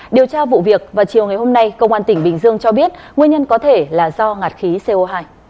điều tra vụ việc vào chiều ngày hôm nay công an tỉnh bình dương cho biết nguyên nhân có thể là do ngạt khí co hai